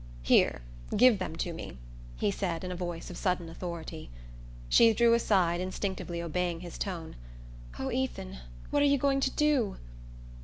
"Here, give them to me," he said in a voice of sudden authority. She drew aside, instinctively obeying his tone. "Oh, Ethan, what are you going to do?"